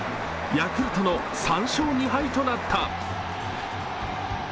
ヤクルトの３勝２敗となった。